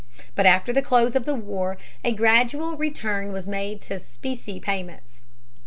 But after the close of the war a gradual return was made to specie payments.